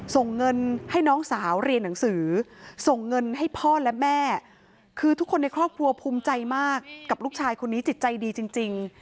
ส่งเงินให้น้องสาวเรียนหนังสือส่งเงินให้พ่อและแม่คือทุกคนในครอบครัวภูมิใจมากกับลูกชายคนนี้จิตใจดีจริง